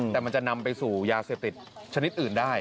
แต่มันจะนำไปสู่ยาเสพติดชนิดอื่นได้